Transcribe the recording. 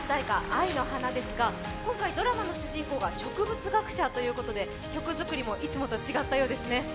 「愛の花」ですが今回、ドラマの主人公が植物学者ということで曲づくりもいつもと違ったようですね。